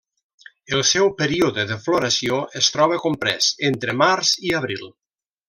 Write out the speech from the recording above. El seu període de floració es troba comprès entre març i abril.